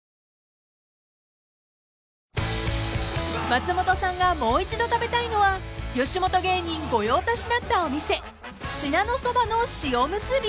［松本さんがもう一度食べたいのは吉本芸人御用達だったお店信濃そばの塩むすび］